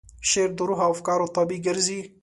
شعر د روح او افکارو تابع ګرځي.